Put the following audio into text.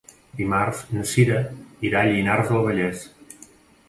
Dimarts na Cira irà a Llinars del Vallès.